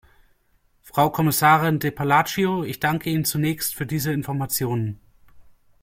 Frau Kommissarin de Palacio, ich danke Ihnen zunächst für diese Informationen.